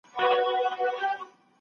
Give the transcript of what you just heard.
د کوټې کړکۍ په زور سره پرانیستل شوه.